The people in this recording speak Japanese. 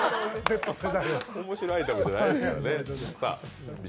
おもしろアイテムじゃないですからね。